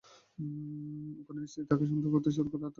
ওকানোর স্ত্রী তাকে সন্দেহ করতে শুরু করে আর তাকে জিজ্ঞাসাবাদ করে।